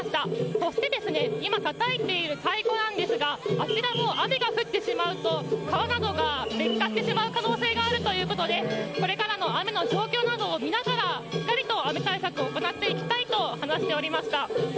そして、たたいている太鼓ですがあちらも雨が降ってしまうと革などが劣化してしまう可能性が恐れがあるということでこれからの雨の状況などを見ながらしっかりと雨対策を行っていきたいと話していました。